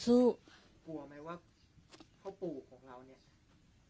กลัวไหมว่าเพราะปู่ของเราเนี่ย